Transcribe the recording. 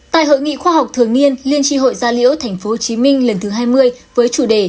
tại hội nghị khoa học thường niên liên tri hội gia liễu tp hcm lần thứ hai mươi với chủ đề